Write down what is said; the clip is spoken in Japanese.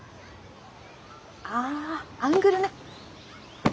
あアングルね。